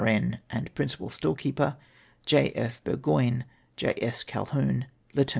N., and Principal Storekeeper. " J. F. BURGOYNE. " J. S. CoLQUHOUN, Lieut.